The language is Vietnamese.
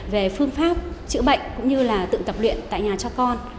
về phương pháp chữa bệnh cũng như là tự tập luyện tại nhà cho con